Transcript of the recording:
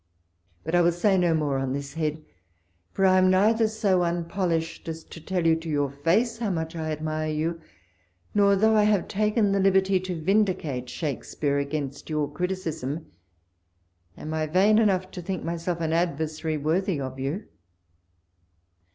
But I will say no more on this head ; for I am neither so unpolished as to tell you to your face how much I admire you, nor, though I have taken the liberty to vindicate Shakspeare against your criticisms, am I vain enough to think myself an adversary worthy of you.